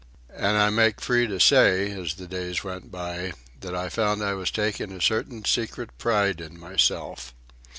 And I make free to say, as the days went by, that I found I was taking a certain secret pride in myself.